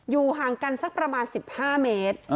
ห่างกันสักประมาณ๑๕เมตร